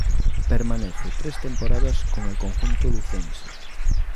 Permanece tres temporadas con el conjunto lucense.